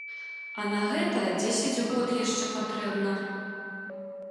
А на гэта дзесяць год яшчэ патрэбна.